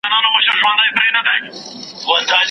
له یوه دامه خلاصیږي بل ته لویږي